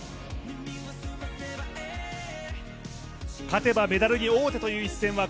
勝てばメダルに王手という一戦は。